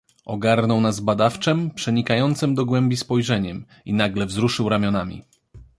"Ogarnął nas badawczem, przenikającem do głębi spojrzeniem i nagle wzruszył ramionami."